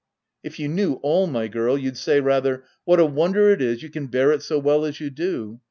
" If you knew all, my girl, you'd say rather, ' What a wonder it is you can bear it so well as you do